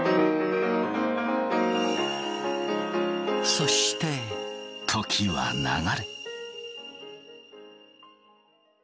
そして時は流れ。